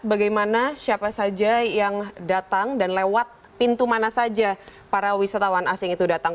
bagaimana siapa saja yang datang dan lewat pintu mana saja para wisatawan asing itu datang